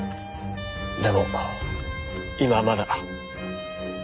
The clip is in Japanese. でも今はまだ。